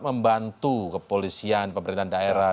membantu kepolisian pemerintahan daerah